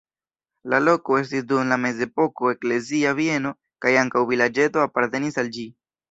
La loko estis dum la mezepoko eklezia bieno kaj ankaŭ vilaĝeto apartenis al ĝi.